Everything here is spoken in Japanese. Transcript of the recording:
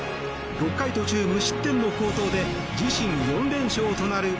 ６回途中無失点の好投で自身４連勝となる